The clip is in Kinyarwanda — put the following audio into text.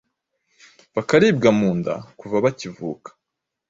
bakaribwa mu nda kuva bakivuka